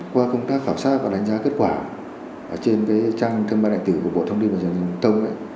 qua công tác khảo sát và đánh giá kết quả ở trên cái trang thương mại nạn tử của bộ thông tin và truyền thông ấy